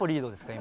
今。